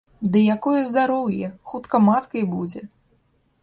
Ды якое здароўе, хутка маткай будзе!